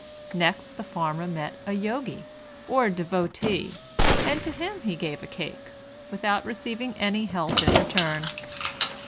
Next the Farmer met a yogi, or devotee, and to him he gave a cake, without receiving any help in return.